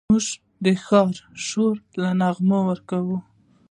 موزیک د ښار شور ته نغمه ورکوي.